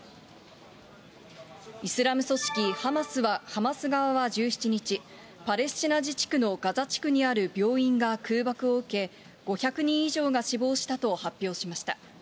イスラム組織ハマス側は１７日、パレスチナ自治区のガザ地区にある病院が空爆を受け、５００人以上が死亡したと発表しました。